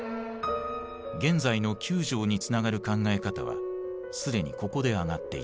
現在の９条につながる考え方は既にここで挙がっていた。